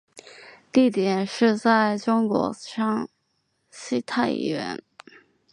地点是在中国山西太原。